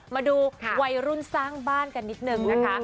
มาดูวัยรุ่นสร้างบ้านกันนิดนึงนะคะ